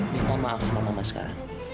minta maaf sama mama sekarang